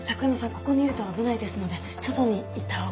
ここにいると危ないですので外に行ったほうが。